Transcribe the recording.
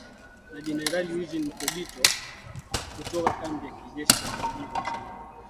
Na Generali Eugene Nkubito, kutoka kambi ya kijeshi ya Kibungo nchini Rwanda''.